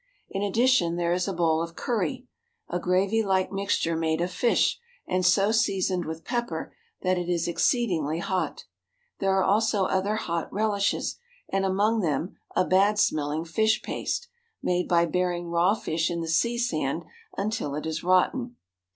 In addition there is a bowl of curry, a gravy like mixture made of fish and so seasoned with pepper that it is exceedingly hot. There are also other hot relishes, and among them a bad smelling fish paste, made by burying raw fish in the sea sand until it is rotten.